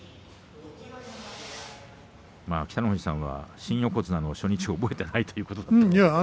北の富士さんは新横綱の初日を覚えていないということでしたけど。